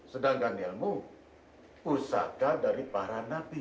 sedangkan ilmu pusaka dari para nabi